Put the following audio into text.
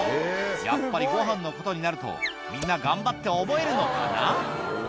やっぱりごはんのことになるとみんな頑張って覚えるのかな？